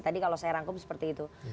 tadi kalau saya rangkum seperti itu